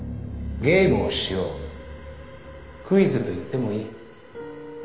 「ゲームをしよう」「クイズと言ってもいい」